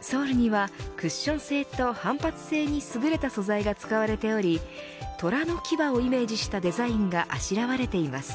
ソールにはクッション性と反発性に優れた素材が使われており虎の牙をイメージしたデザインがあしらわれています。